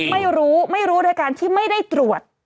ไม่รู้ไม่รู้โดยการที่ไม่ได้ตรวจ